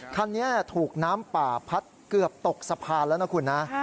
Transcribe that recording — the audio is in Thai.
คันนี้ถูกน้ำป่าพัดเกือบตกสะพานแล้วนะคุณนะ